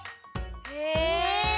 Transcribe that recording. へえ。